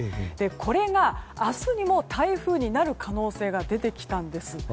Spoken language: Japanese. これが明日にも台風になる可能性が出てきたんです。